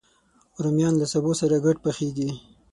رومیان له سبو سره ګډ پخېږي